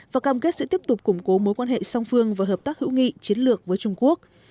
và cam kết sẽ tiếp tục củng cố mối quan hệ song phương và hợp tác hữu nghị chiến lược với trung quốc